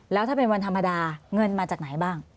แล้วถ้าเป็นวันธรรมดาเงินมาจากไหนบ้าง